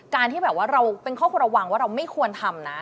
ที่แบบว่าเราเป็นข้อควรระวังว่าเราไม่ควรทำนะ